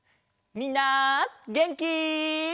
みんなげんき？